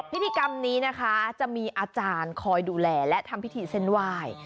พิธีกรรมนี้นะคะจะมีอาจารย์คอยดูแลและทำพิธีเส้นไหว้